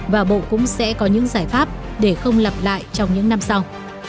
và bộ cũng sẽ có những giải pháp để không lặp lại trong những năm sau